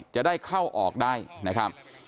จะได้เข้าออกได้นะครับ